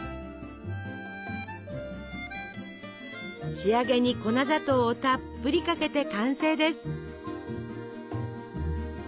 仕上げに粉砂糖をたっぷりかけて完成です！